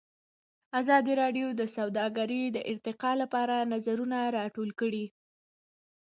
ازادي راډیو د سوداګري د ارتقا لپاره نظرونه راټول کړي.